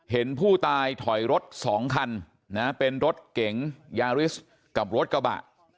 เห็นผู้ตายถอยรถ๒คันนะเป็นรถเก๋งยาริสกับรถกระบะ